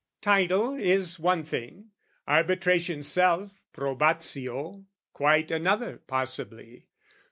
Title is one thing, arbitration's self, Probatio, quite another possibly.